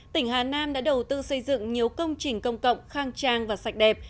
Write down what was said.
tỉnh hà nam đã đầu tư xây dựng nhiều công trình công cộng khang trang và sạch đẹp